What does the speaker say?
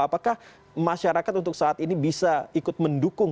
apakah masyarakat untuk saat ini bisa ikut mendukung